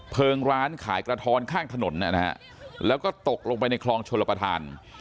เผลิงร้านขายกระถรค้างถนนน่ะนะครับแล้วก็ตกลงไปในคลองชนระปทาน